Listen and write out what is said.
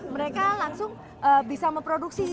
mereka langsung bisa memproduksi